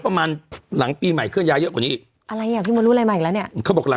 ปะหนึ่งละคร